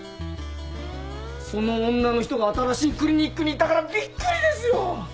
その女の人が新しいクリニックにいたからびっくりですよ！